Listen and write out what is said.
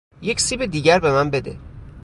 یک سیب دیگر به من بده.